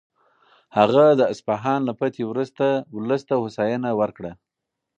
هغه د اصفهان له فتحې وروسته ولس ته هوساینه ورکړه.